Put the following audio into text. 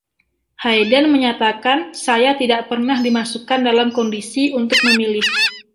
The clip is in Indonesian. Hayden menyatakan saya tidak pernah dimasukkan dalam kondisi untuk memilih.